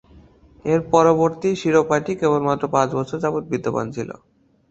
এর পূর্ববর্তী শিরোপাটি কেবলমাত্র পাঁচ বছর যাবত বিদ্যমান ছিল।